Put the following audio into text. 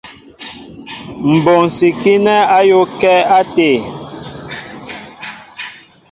Mɓonsikinɛ ayōōakɛ até.